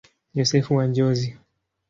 Yosefu wa Njozi.